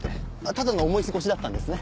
ただの思い過ごしだったんですね？